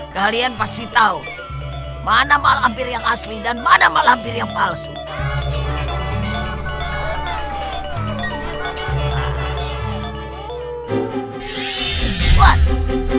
kalian pasti tahu mana malabir yang asli dan mana malabir yang palsu